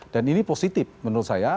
dan ini positif menurut saya